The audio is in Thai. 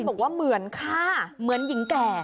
บอกว่าเหมือนฆ่าเหมือนหญิงแก่